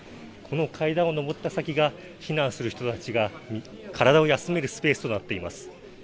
この階段を上った先が、避難する人たちが体を休めるスペースとなっています。